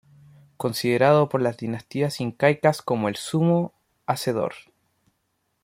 Considerado por las dinastías incaicas como el Sumo Hacedor.